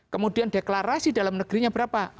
kemudian deklarasi dalam negerinya berapa